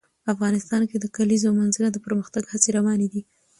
افغانستان کې د د کلیزو منظره د پرمختګ هڅې روانې دي.